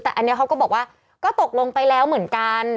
แต่อันนี้เขาก็บอกว่าก็ตกลงไปแล้วเหมือนกัน